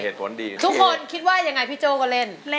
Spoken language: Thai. ทุกคนคิดว่ายังไงพี่โจ้ก็เล่น